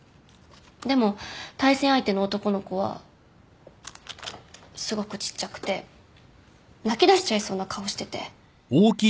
でも対戦相手の男の子はすごくちっちゃくて泣きだしちゃいそうな顔してて。